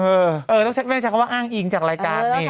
เออต้องไม่ได้ใช้คำว่าอ้างอิงจากรายการนี่